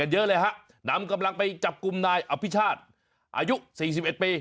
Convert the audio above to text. เยอะเลยฮะน้ำกำลังไปจับกลุ่มนายอภิชาตน์อายุสี่สิบเอ็ดปี